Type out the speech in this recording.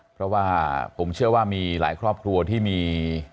เพราะว่าผมเชื่อว่ามีหลายครอบครัวที่มี